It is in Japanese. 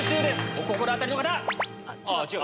お心当たりの方！